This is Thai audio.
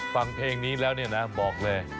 ฟังเพลงนี้แล้วเนี่ยนะบอกเลย